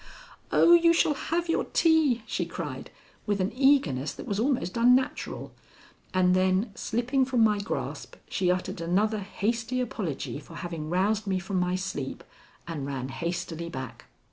"Oh, you shall have your tea!" she cried, with an eagerness that was almost unnatural, and then, slipping from my grasp, she uttered another hasty apology for having roused me from my sleep and ran hastily back.